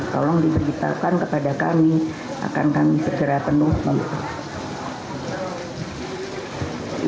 tolong diberitahukan kepada kami akan kami segera penuh